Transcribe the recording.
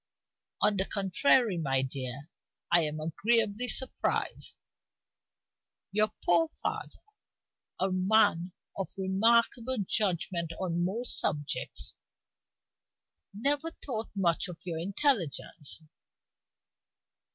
"On the contrary, my dear, I am agreeably surprised. Your poor father a man of remarkable judgment on most subjects never thought much of your intelligence.